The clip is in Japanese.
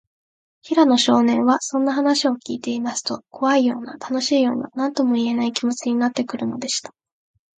平野少年は、そんな話をきいていますと、こわいような、たのしいような、なんともいえない、気もちになってくるのでした。